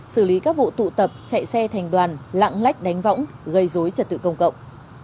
xử lý các vụ tụ tập chạy xe thành đoàn lạng lách đánh võng gây dối trật tự công cộng